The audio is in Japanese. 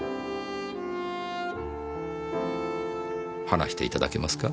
話していただけますか？